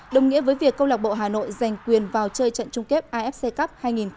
đồng nghĩa với việc câu lạc bộ hà nội giành quyền vào chơi trận chung kết afc cup hai nghìn một mươi chín